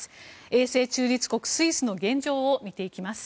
永世中立国スイスの現状を見ていきます。